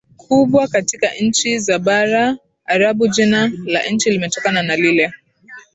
kubwa kati ya nchi za Bara Arabu Jina la nchi limetokana na lile